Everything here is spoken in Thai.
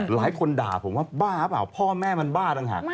หลายคนด่าผมว่าบ้าหรือเปล่าพ่อแม่มันบ้าต่างหาก